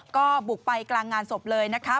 ก็บุกไปกลางงานศพเลยนะคะ